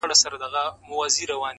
د یوه نیکه اولاد بولي ځانونه.!